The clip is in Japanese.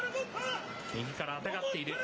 右からあてがっている。